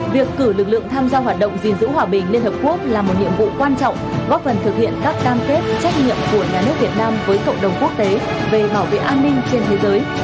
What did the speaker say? việc cử lực lượng tham gia hoạt động gìn giữ hòa bình liên hợp quốc là một nhiệm vụ quan trọng góp phần thực hiện các cam kết trách nhiệm của nhà nước việt nam với cộng đồng quốc tế về bảo vệ an ninh trên thế giới